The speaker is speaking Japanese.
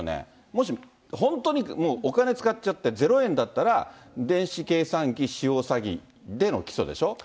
もし本当に、もうお金使っちゃって、０円だったら、電子計算機使用詐欺での起訴でしょ。